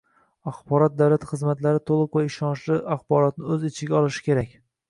Axborot davlat xizmatlari to‘liq va ishonchli axborotni o‘z ichiga olishi kerak.